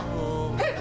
えっ！